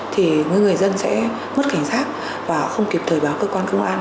thì người dân sẽ mất cảnh giác và không kịp thời báo cơ quan công an